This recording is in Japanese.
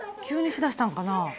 急にしだしたんかな？